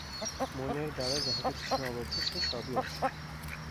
মনের দ্বারা যাহা কিছু সীমাবদ্ধ, সে-সবই সসীম।